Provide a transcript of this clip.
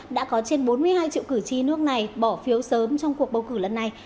đã có trên bốn mươi hai triệu cử tri nước này bỏ phiếu sớm trong cuộc bầu cử lần này